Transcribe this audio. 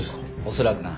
恐らくな。